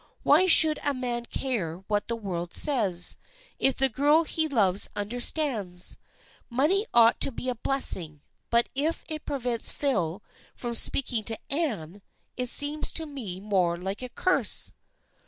Why should a man care what the world says, if the girl he loves understands ? Money ought to be a blessing, but if it prevents Phil from speaking to Anne, it seems to me more like a curse."